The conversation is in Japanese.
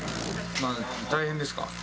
大変ですか？